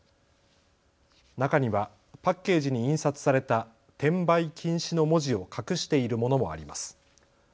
中にはパッケージに印刷された転売禁止の文字を隠しているものもあります。